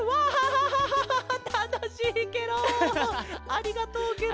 ありがとうケロ。